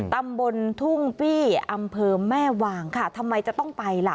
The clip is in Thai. ตำบลทุ่งปี้อำเภอแม่วางค่ะทำไมจะต้องไปล่ะ